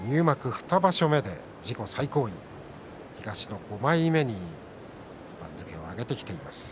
２場所目で、自己最高位東の５枚目に番付を上げてきています。